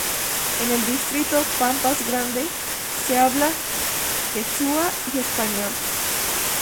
En el distrito de Pampas Grande se habla quechua y español.